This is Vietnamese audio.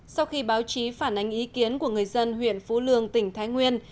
sau khi báo chí phản ánh ý kiến của người dân huyện phú lương tỉnh thái nguyên